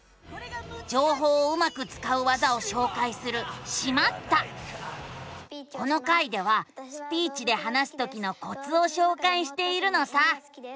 じょうほうをうまくつかう技をしょうかいするこの回ではスピーチで話すときのコツをしょうかいしているのさ。